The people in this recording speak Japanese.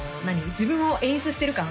自分を演出してる感